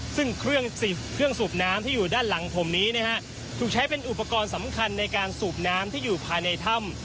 ซึ่งเครื่องสูบน้ำที่อยู่ด้านหลังผมนี้นะฮะถูกใช้เป็นอุปกรณ์สำคัญในการสูบน้ำที่อยู่ภายในถ้ำ